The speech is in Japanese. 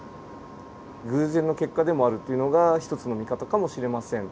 偶然の結果でもあるっていうのが一つの見方かもしれません。